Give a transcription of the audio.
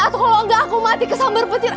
atau kalau enggak aku mati kesambar petir